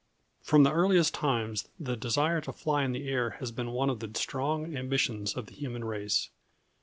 From the earliest times the desire to fly in the air has been one of the strong ambitions of the human race.